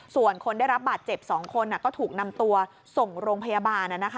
ส่วนคนได้รับบาดเจ็บ๒คนก็ถูกนำตัวส่งโรงพยาบาล